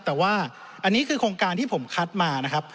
แต่ว่าอันนี้คือโครงการที่ผมคัดมานะครับ